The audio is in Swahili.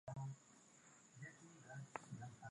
kuzalisha madini ya urenia